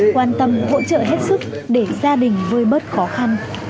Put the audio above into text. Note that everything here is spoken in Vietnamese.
quan tâm hỗ trợ hết sức để gia đình vơi bớt khó khăn